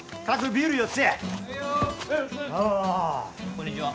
こんにちは。